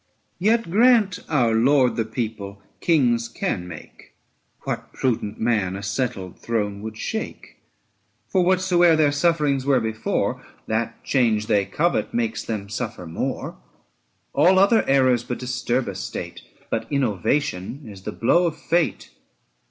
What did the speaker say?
Yet grant our lords, the people, kings can make, 795 What prudent men a settled throne would shake ? For whatsoe'er their sufferings were before, That change they covet makes them suffer more. All other errors but disturb a state, But innovation is the blow of fate.